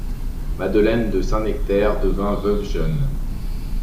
Madeleine de Saint-Nectaire devint veuve jeune.